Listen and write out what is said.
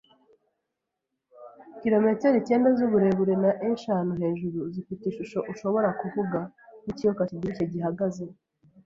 kilometero icyenda z'uburebure na eshanu hejuru, zifite ishusho, ushobora kuvuga, nkikiyoka kibyibushye gihagaze